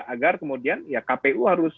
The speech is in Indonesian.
agar kemudian ya kpu harus